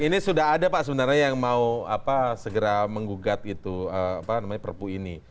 ini sudah ada pak sebenarnya yang mau apa segera mengugat itu apa namanya perpu ini